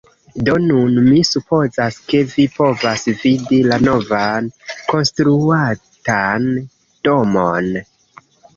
Do, nun mi supozas, ke vi povas vidi la novan, konstruatan domon